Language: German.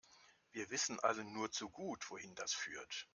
Wir wissen alle nur zu gut, wohin das führt.